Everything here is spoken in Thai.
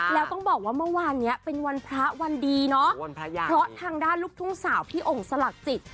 แล้วต้องบอกว่าเมื่อวานเนี้ยเป็นวันพระวันดีเนาะเพราะทางด้านลูกทุ่งสาวพี่องค์สลักจิต